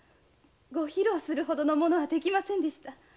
ご披露するほどのものはできませんでした。